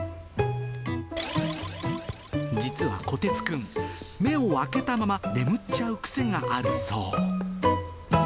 実はこてつくん、目を開けたまま眠っちゃう癖があるそう。